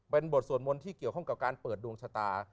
เป็นบทสวดมนต์ที่เกี่ยวข้องกับการเปิดดวงชะตา